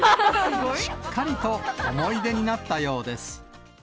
しっかりと思い出になったようです。